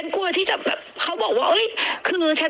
กลัวที่จะบอกว่า